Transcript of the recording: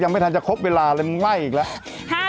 ไม่ทันจะครบเวลาเลยมึงไหว้อีกแล้ว